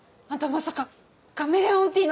まさかカメレオンティーのこと。